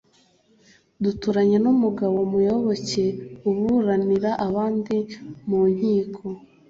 duturanye n umugabo muyoboke uburanira abandi mu nkiko